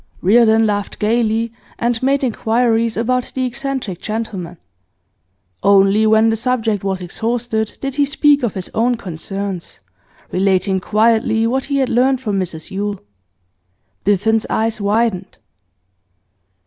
Reardon laughed gaily, and made inquiries about the eccentric gentleman. Only when the subject was exhausted did he speak of his own concerns, relating quietly what he had learnt from Mrs Yule. Biffen's eyes widened.